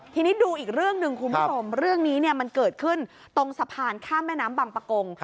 ทีนี้ดูอีกเรื่องหนึ่งคุณผู้ชมเรื่องนี้มันเกิดขึ้นตรงสะพานข้ามแม่น้ำบังปะกง